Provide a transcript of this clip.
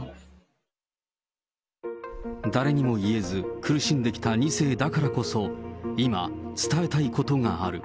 誰にも言えず、苦しんできた２世だからこそ、今、伝えたいことがある。